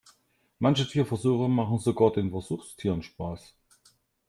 Manche Tierversuche machen sogar den Versuchstieren Spaß.